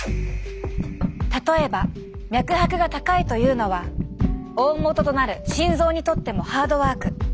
例えば脈拍が高いというのは大本となる心臓にとってもハードワーク。